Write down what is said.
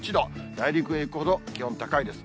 内陸にいくほど気温高いです。